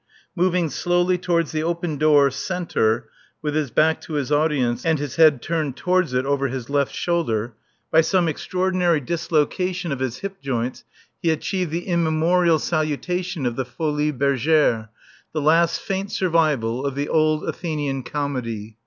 Moving slowly towards the open door (centre) with his back to his audience and his head turned towards it over his left shoulder, by some extraordinary dislocation of his hip joints, he achieved the immemorial salutation of the Folies Bergères the last faint survival of the Old Athenian Comedy.